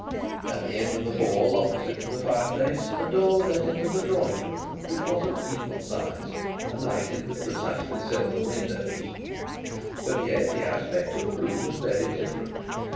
At the end of the hall opposite to the fire place a door led into the drawing room, which was of equal size, and lighted with precisely similar windows. But yet the aspect of the room was very different.